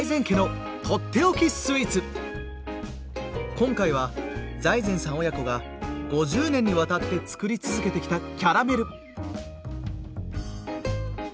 今回は財前さん親子が５０年にわたって作り続けてきたキャラメル！